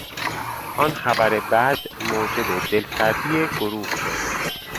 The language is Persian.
آن خبر بد موجب دلسردی گروه شد.